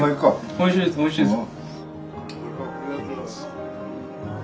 おいしいですおいしいです。